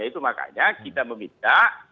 itu makanya kita meminta